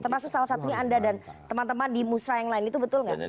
termasuk salah satunya anda dan teman teman di musra yang lain itu betul nggak